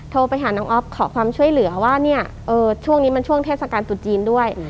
โทรไปหาน้องอ๊อฟขอความช่วยเหลือว่าเนี่ยช่วงนี้มันช่วงเทศกาลตรุษจีนด้วย